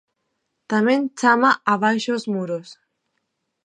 Tamén chama Abaixo os Muros!